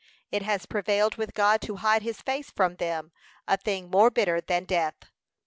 It has prevailed with God to hide his face from them, a thing more bitter than death.